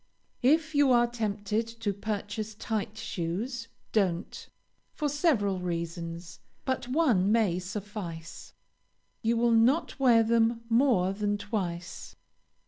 If you are tempted to purchase tight shoes, don't, for several reasons; but one may suffice you will not wear them more than twice.